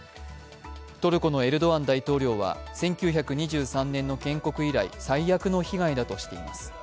トルコのエルドアン大統領は１９２３年の建国以来、最悪の被害だとしています。